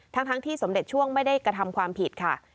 ทั้งที่สมเด็จช่วงไม่ได้กระทำความผิดค่ะ